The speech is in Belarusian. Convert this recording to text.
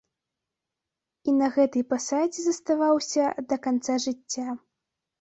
І на гэтай пасадзе заставаўся да канца жыцця.